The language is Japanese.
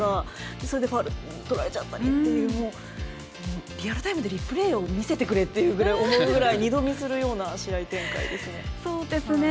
それでファウルとられちゃったりというリアルタイムでリプレーを見せてくれと二度見するような試合展開です。